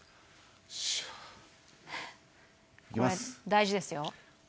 大事ですよ。